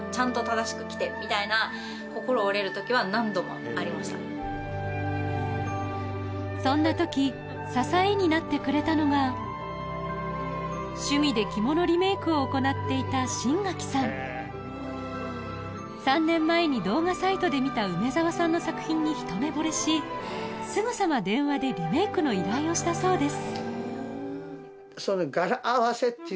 しかし厳しい声もそんな時趣味で着物リメイクを行っていた３年前に動画サイトで見た梅澤さんの作品にひと目ぼれしすぐさま電話でリメイクの依頼をしたそうです